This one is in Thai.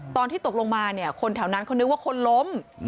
ตอนที่ตกลงมาเนี่ยคนแถวนั้นเขานึกว่าคนล้ม